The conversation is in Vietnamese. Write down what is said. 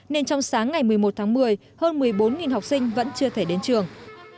nên trong sáng ngày một mươi một tháng một mươi hơn một mươi bốn học sinh vẫn chưa thể đến trường